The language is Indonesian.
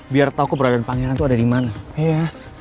biar tau keberadaan pangeran itu ada dimana